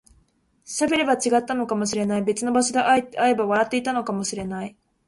喋れば違ったのかもしれない、別の場所で会えば笑っていたかもしれない